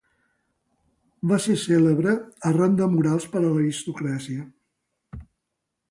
Va ser cèlebre arran de murals per a l'aristocràcia.